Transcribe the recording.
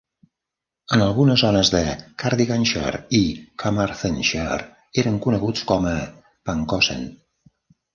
En algunes zones de Cardiganshire i Carmarthenshire eren coneguts com a "pancosen".